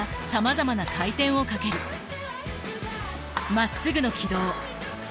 まっすぐの軌道。